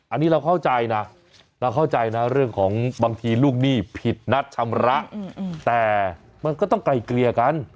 อันนี้เราเข้าใจนะเราเข้าใจนะเรื่องของบางทีลูกหนี้ผิดนัดชำระแต่มันก็ต้องไกลเกลี่ยกัน